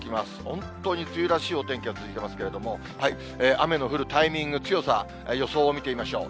本当に梅雨らしいお天気が続いていますけれども、雨の降るタイミング、強さ、予想を見てみましょう。